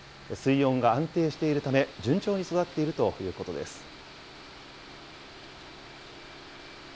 水温が安定しているため、順調に育っているということです。